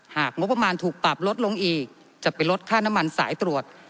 หากงบประมาณถูกปรับลดลงอีกจะไปลดค่าน้ำมันสายตรวจ